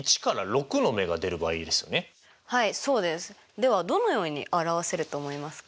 ではどのように表せると思いますか？